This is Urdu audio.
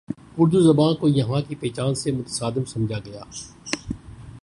اردو زبان کو یہاں کی پہچان سے متصادم سمجھا گیا